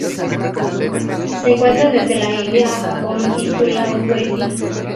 Se encuentra desde la India a Japón y Sulawesi.